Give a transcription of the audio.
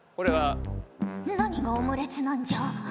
何がオムレツなんじゃ？